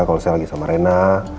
kalau saya lagi sama rena